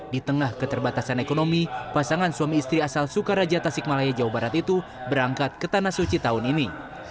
di tengah keterbatasan ekonomi pasangan suami istri asal sukaraja tasikmalaya jawa barat itu berangkat ke tanah suci tahun ini